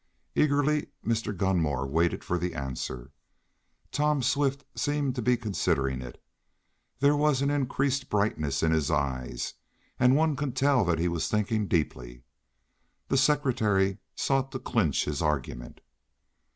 Eagerly Mr. Gunmore waited for the answer. Tom Swift seemed to be considering it. There was an increased brightness to his eyes, and one could tell that he was thinking deeply. The secretary sought to clinch his argument.